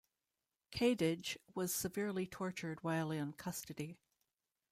Kadege was severely tortured while in custody.